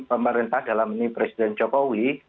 pemerintah dalam ini presiden jokowi